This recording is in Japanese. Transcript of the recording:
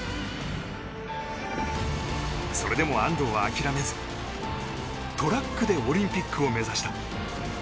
それでも安藤は諦めずトラックでオリンピックを目指した。